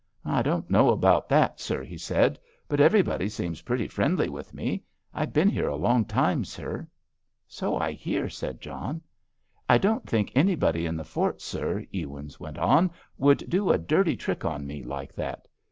"I don't know about that, sir," he said; "but everybody seems pretty friendly with me. I have been here a long time, sir." "So I hear," said John. "I don't think anybody in the fort, sir," Ewins went on, "would do a dirty trick on me like that.